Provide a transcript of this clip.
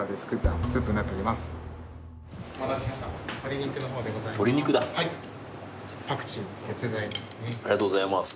ありがとうございます。